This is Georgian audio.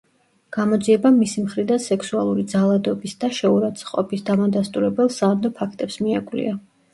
გამოძიებამ მისი მხრიდან სექსუალური ძალადობის და შეურაცხყოფის „დამადასტურებელ, სანდო“ ფაქტებს მიაკვლია.